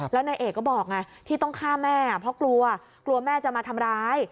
แล้วนายเอกก็บอกไงที่ต้องฆ่าแม่เพราะกลัวกลัวแม่จะมาทำร้าย